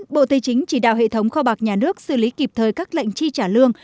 bộ tây chính chỉ đạo hệ thống kho bạc nhà nước xử lý kịp thời các lệnh chi trả lương